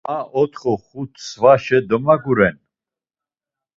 Ma otxo xut svaşe domaguren.